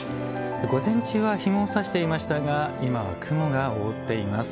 午前中は日も差していましたが今は雲が覆っています。